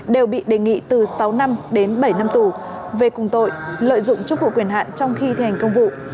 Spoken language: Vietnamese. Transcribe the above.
đều bị đề nghị từ sáu năm đến bảy năm tù về cùng tội lợi dụng chức vụ quyền hạn trong khi thi hành công vụ